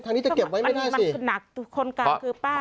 ทางนี้จะเก็บไว้ไม่ได้สิมันคือหนักคนกลางคือป้า